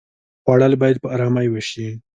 خوړل باید په آرامۍ وشي